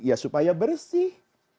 ya supaya bersih